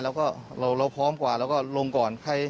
เราก็พร้อมกว่าเราก็ลงก่อน